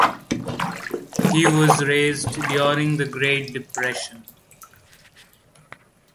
He was raised during the Great Depression.